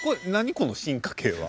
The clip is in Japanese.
この進化系は。